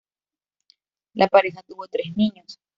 La pareja tuvo tres niños.